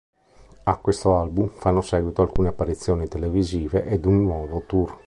A questo album fanno seguito alcune apparizioni televisive ed un nuovo tour.